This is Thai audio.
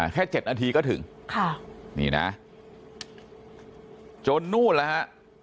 แค่๗นาทีก็ถึงนี่นะจนนู้นละฮะ